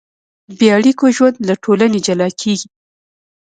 بېاړیکو ژوند له ټولنې جلا کېږي.